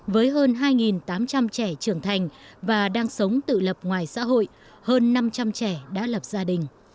với hơn hai tám trăm linh trẻ trưởng thành và đang sống tự lập ngoài xã hội hơn năm trăm linh trẻ đã lập gia đình